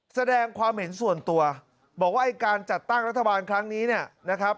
แสดงความเห็นส่วนตัวบอกว่าไอ้การจัดตั้งรัฐบาลครั้งนี้เนี่ยนะครับ